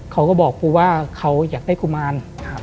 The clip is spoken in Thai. เขาก็บอกครูว่าเขาอยากได้กุมาร